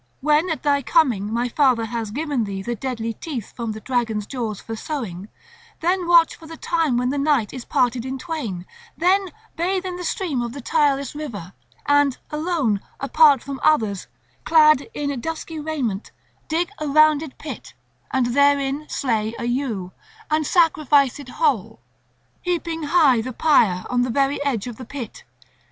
When at thy coming my father has given thee the deadly teeth from the dragon's jaws for sowing, then watch for the time when the night is parted in twain, then bathe in the stream of the tireless river, and alone, apart from others, clad in dusky raiment, dig a rounded pit; and therein slay a ewe, and sacrifice it whole, heaping high the pyre on the very edge of the pit.